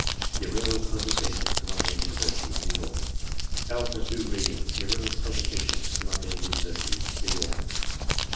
Bureau of Publications, Columbia University, New York. Alpha 2 Reading. Bureau of Publications, Columbia University, New York.